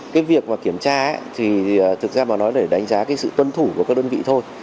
cái việc mà kiểm tra thì thực ra mà nói để đánh giá cái sự tuân thủ của các đơn vị thôi